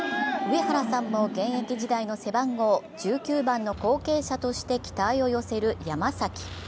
上原さんも現役時代の背番号１９番の後継者として期待を寄せる山崎。